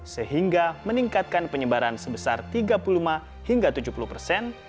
sehingga meningkatkan penyebaran sebesar tiga puluh lima hingga tujuh puluh persen